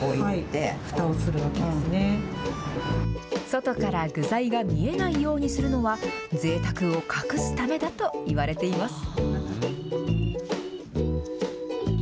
外から具材が見えないようにするのは、ぜいたくを隠すためだといわれています。